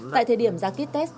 tại thời điểm ra ký test